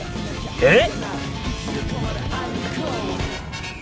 えっ？